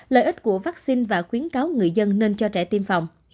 lợi ích của vaccine và khuyến cáo người dân nên cho trẻ tiêm phòng